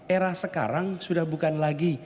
era sekarang sudah bukan lagi